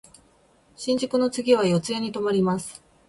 新宿の次は四谷に止まります。